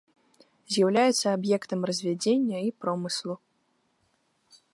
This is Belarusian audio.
З'яўляецца аб'ектам развядзення і промыслу.